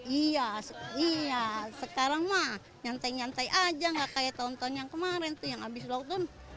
iya iya sekarang mah nyantai nyantai aja gak kayak tahun tahun yang kemarin tuh yang habis lockdown